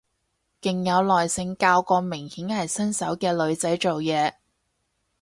勁有耐性教個明顯係新手嘅女仔做嘢